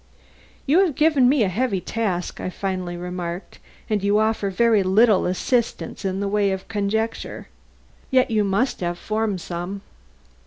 "You have given me a heavy task," I finally remarked, "and you offer very little assistance in the way of conjecture. Yet you must have formed some."